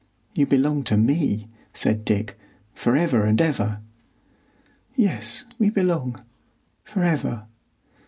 "You belong to me," said Dick, "for ever and ever." "Yes, we belong—for ever.